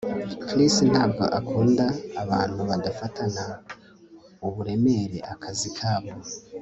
Chris ntabwo akunda abantu badafatana uburemere akazi kabo